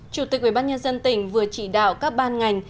chủ tịch ubnd tỉnh vừa chỉ đạo các ban ngành